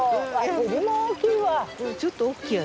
セリも大きいわ！